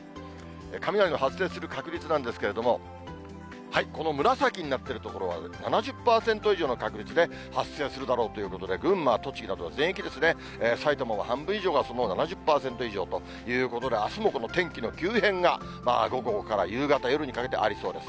雷の発生する確率なんですけれども、この紫になってる所は、７０％以上の確率で発生するだろうということで、群馬、栃木などは全域、埼玉も半分以上がその７０％以上ということで、あすもこの天気の急変が午後から夕方、夜にかけてありそうです。